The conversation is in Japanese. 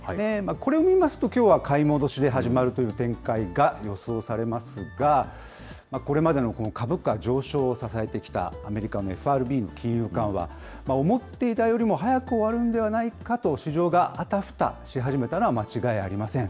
これを見ますと、きょうは買い戻しで始まるという展開が予想されますが、これまでのこの株価上昇を支えてきた、アメリカのＦＲＢの金融緩和、思っていたよりも早く終わるんではないかと、市場があたふたし始めたのは間違いありません。